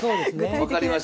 分かりました。